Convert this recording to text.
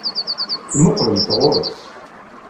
Temmuqqlemt ɣer-s?